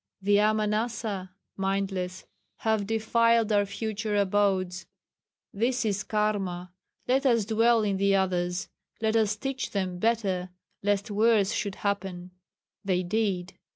'The Amanasa [mindless] have defiled our future abodes. This is Karma. Let us dwell in the others. Let us teach them better lest worse should happen.' They did.